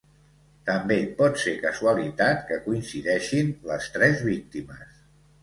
També pot ser casualitat, que coincideixin les tres víctimes.